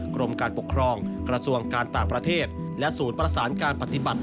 กรมการปกครองกระทรวงการต่างประเทศและศูนย์ประสานการปฏิบัติ